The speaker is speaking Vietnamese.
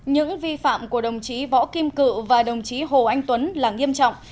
những vi phạm của đồng chí võ kim cự và đồng chí hồ anh tuấn là nghiêm trọng